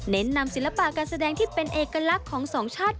นำศิลปะการแสดงที่เป็นเอกลักษณ์ของสองชาติ